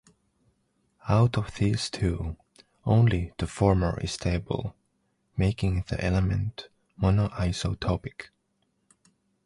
Out of these two, only the former is stable, making the element monoisotopic.